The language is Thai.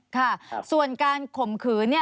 ค่ะส่วนการขมขืน